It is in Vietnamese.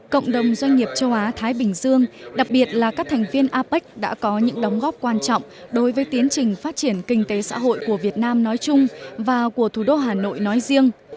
cộng đồng doanh nghiệp châu á thái bình dương đặc biệt là các thành viên apec đã có những đóng góp quan trọng đối với tiến trình phát triển kinh tế xã hội của việt nam nói chung và của thủ đô hà nội nói riêng